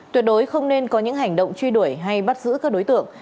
tuyệt đối không nên có những hành động truy đuổi hay bắt giữ các đối tượng